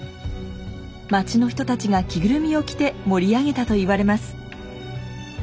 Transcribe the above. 町の人たちが着ぐるみを着て盛り上げたといわれます。